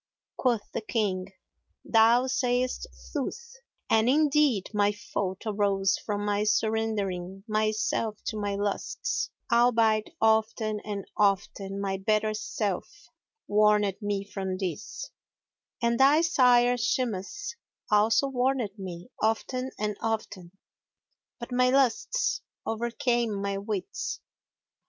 Quoth the King, "Thou sayest sooth, and indeed my fault arose from my surrendering myself to my lusts, albeit often and often my better self warned me from this, and thy sire Shimas also warned me often and often, but my lusts overcame my wits.